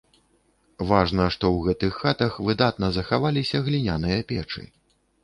Важна, што ў гэтых хатах выдатна захаваліся гліняныя печы.